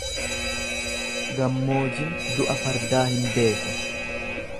Gammoojin du'a fardaa hin beeku.